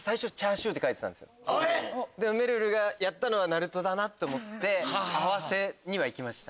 でもめるるがやったのはなるとだなって思って合わせには行きました。